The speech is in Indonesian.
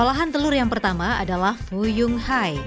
olahan telur yang pertama adalah fuyung hai